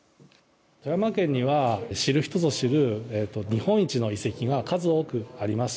富山県には、知る人ぞ知る日本一の遺跡が数多くあります。